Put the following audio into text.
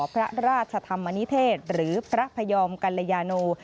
พระราชธรรมนิเทศหรือพระพยอมกัลยาโน